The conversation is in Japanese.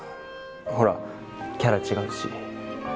ほらキャラ違うし。